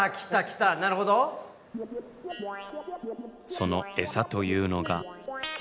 そのエサというのが。